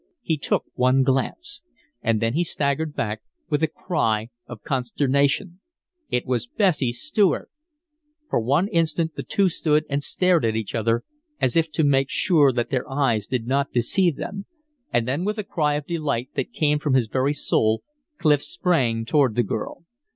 He took one glance. And then he staggered back with a cry of consternation. It was Bessie Stuart! For one instant the two stood and stared at each other as if to make sure that their eyes did not deceive them. And then, with a cry of delight that came from his very soul, Clif sprang toward the girl.